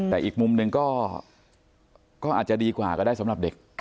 แต่อีกมุมหนึ่งก็อาจจะดีกว่าก็ได้สำหรับเด็ก